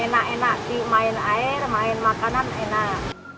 enak enak sih main air main makanan enak